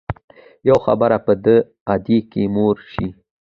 يو خوي به دې ادکې مور شي.